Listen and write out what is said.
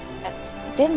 でも。